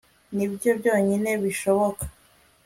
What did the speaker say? nibyo byonyine bishoboka